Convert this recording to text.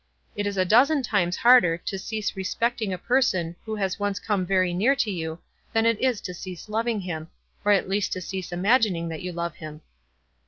It is a dozen times harder to cease respecting a person who has once come very near to you, than it is to cease loving him, or at least to cease imagining that you love him.